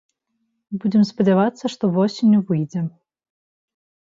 Будзем спадзявацца, што восенню выйдзе.